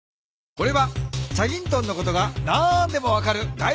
これは『チャギントン』のことが何でも分かるだい